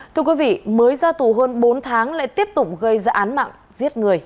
thưa quý vị mới ra tù hơn bốn tháng lại tiếp tục gây ra án mạng giết người